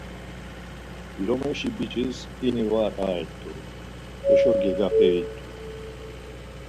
Lomeşi biç̌is ini var avet̆u, heşo gegaperi t̆u.